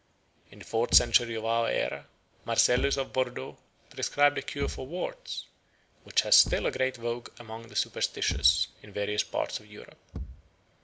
In the fourth century of our era Marcellus of Bordeaux prescribed a cure for warts, which has still a great vogue among the superstitious in various parts of Europe.